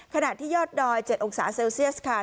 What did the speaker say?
ขณะที่ยอดดอย๗องศาเซลเซียสค่ะ